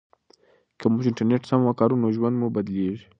که موږ انټرنیټ سم وکاروو نو ژوند مو بدلیږي.